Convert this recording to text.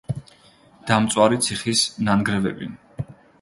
დამწვარი ციხის ნანგრევები.